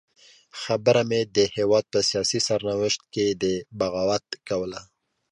خبره مې د هېواد په سیاسي سرنوشت کې د بغاوت کوله.